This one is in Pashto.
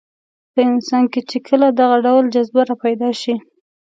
په انسان کې چې کله دغه ډول جذبه راپیدا شي.